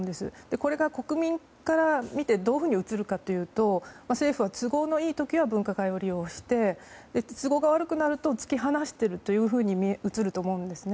これが国民から見てどういうふうに映るかというと政府は都合のいい時は分科会を利用して都合が悪くなると突き放しているというふうに映ると思うんですね。